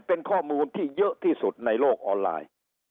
เป็นข้อมูลที่เยอะที่สุดในโลกออนไลน์